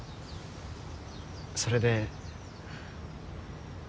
それで。